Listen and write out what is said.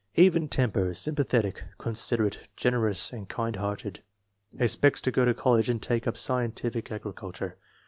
Even temper, sympa thetic, considerate, generous, and kind hearted. Ex pects to go to college and take up scientific agriculture.